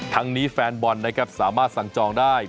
ทั้งนี้แฟนบอลนะครับสามารถสั่งจองได้